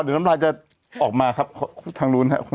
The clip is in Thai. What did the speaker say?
หรือน้ำลายจะออกมาครับทางโล้งนะครับ